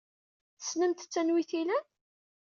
Tessnemt-tt anwa ay tt-ilan?